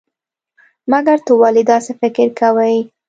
مګر ته ولې داسې فکر کوئ؟